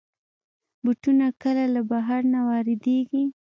بوټونه کله له بهر نه واردېږي.